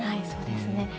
そうですね。